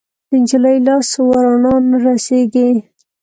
د نجلۍ لاس ورڼا نه رسیږي